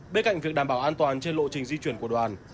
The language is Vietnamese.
bên cạnh việc đảm bảo an toàn trên lộ trình di chuyển của đoàn